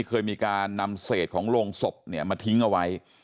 เคยมีการนำเศษของโรงศพเนี่ยมาทิ้งเอาไว้